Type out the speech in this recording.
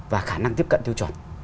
và khả năng tiếp cận tiêu chuẩn